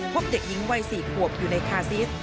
พบเด็กหญิงวัย๔ขวบอยู่ในคาซิส